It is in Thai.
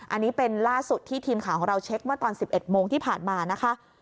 อันนี้เป็นล่าสุดที่ทีมข่าวของเราเช็คเมื่อตอน๑๑โมงที่ผ่านมานะคะ